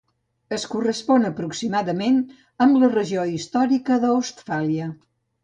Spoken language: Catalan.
Es correspon aproximadament amb la regió històrica de Ostfàlia.